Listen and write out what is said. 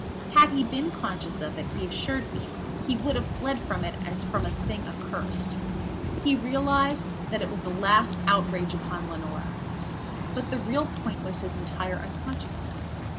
Had he been conscious of it, he assured me, he would have fled from it as from a thing accursed. He realized that it was the last outrage upon Leonora. But the real point was his entire unconsciousness.